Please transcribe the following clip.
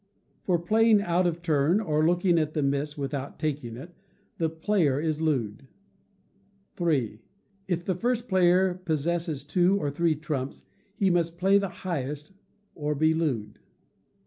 For playing out of turn or looking at the miss without taking it, the player is looed. iii. If the first player possess two or three trumps, he must play the highest, or be looed.